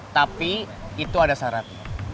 tapi itu ada syarat